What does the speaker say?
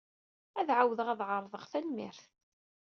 Ad ɛawdeɣ ad ɛerḍeɣ, tanemmirt.